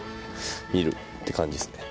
見るって感じですね。